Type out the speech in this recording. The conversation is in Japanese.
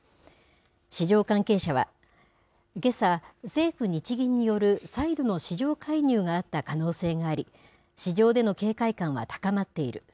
市場関係者は、けさ、政府・日銀による再度の市場介入があった可能性があり、市場での警戒感は高まっている。